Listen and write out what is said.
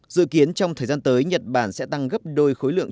dự kiến trong thời gian tới nhật bản sẽ tăng gấp đôi khối lượng